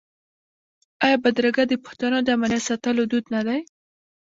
آیا بدرګه د پښتنو د امنیت ساتلو دود نه دی؟